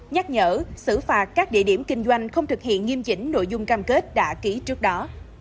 nhắc nhở xử phạt các địa điểm kinh doanh không thực hiện nghiêm chỉnh nội dung cam kết đã ký trước đó